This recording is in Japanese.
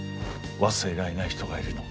「忘れられない人がいるの」。